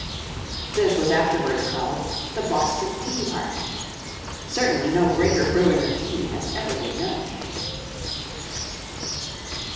This was afterwards called the Boston Tea Party. Certainly no greater brewing of tea has ever been known.